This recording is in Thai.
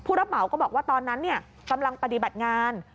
รับเหมาก็บอกว่าตอนนั้นกำลังปฏิบัติงาน